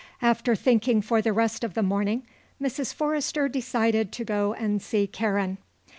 After thinking for the rest of the morning, Mrs. Forrester decided to go and see Karen.